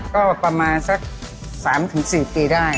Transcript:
ก็ประมาณสัก๓๔ปีได้